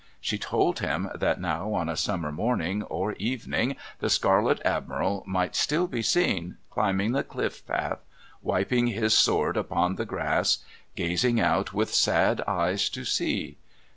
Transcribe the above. She told him that now on a summer morning or evening the Scarlet Admiral might still be seen, climbing the cliff path, wiping his sword upon the grass, gazing out with sad eyes to sea.